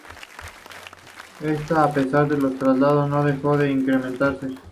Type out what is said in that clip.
Esta, a pesar de los traslados, no dejó de incrementarse.